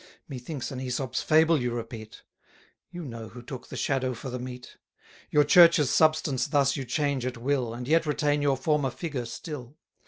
Methinks an Æsop's fable you repeat; You know who took the shadow for the meat: Your Church's substance thus you change at will, 50 And yet retain your former figure still.